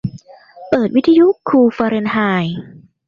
เปิดวิทยุคูลฟาเรนไฮต์